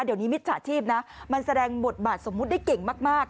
เดี๋ยวนี้มิจฉาชีพนะมันแสดงบทบาทสมมุติได้เก่งมาก